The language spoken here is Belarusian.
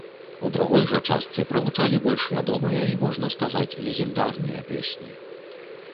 У другой жа частцы прагучалі больш вядомыя і можна сказаць легендарныя песні.